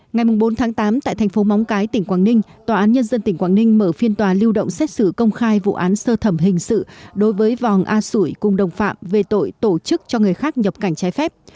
ngày bốn tháng tám tại thành phố móng cái tỉnh quảng ninh tòa án nhân dân tỉnh quảng ninh mở phiên tòa lưu động xét xử công khai vụ án sơ thẩm hình sự đối với vòng a sủi cùng đồng phạm về tội tổ chức cho người khác nhập cảnh trái phép